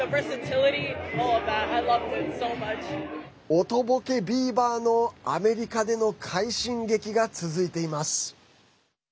おとぼけビバのアメリカでの快進撃が続いています。